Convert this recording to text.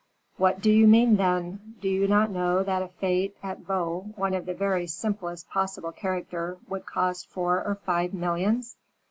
"What do you mean, then? Do you not know that a fete at Vaux, one of the very simplest possible character, would cost four or five millions?"